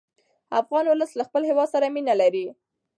افغان ولس له خپل هېواد سره مینه لري.